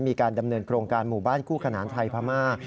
มีการดำเนินโครงการหมู่บ้านคู่ขนานไทยพม่า